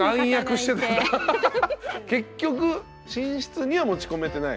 結局寝室には持ち込めてない？